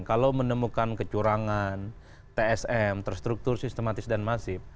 kalau menemukan kecurangan tsm terstruktur sistematis dan masif